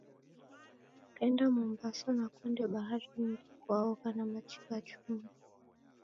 Kaenda Mombasa na kwende baharinyi kwa ogha na machi gha chumbi